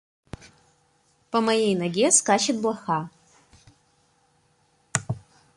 По моей ноге скачет блоха.